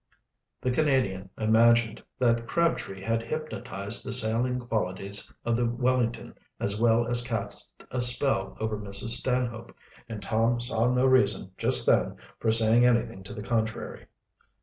The Canadian imagined that Crabtree had hypnotized the sailing qualities of the Wellington as well as cast a spell over Mrs. Stanhope, and Tom saw no reason, just then, for saying anything to the contrary.